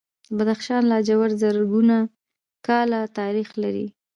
د بدخشان لاجورد زرګونه کاله تاریخ لري